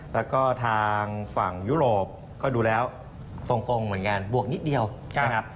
แล้วก็ทางฝั่งยุโรปก็ดูแล้วทรงเหมือนกันบวกนิดเดียวนะครับ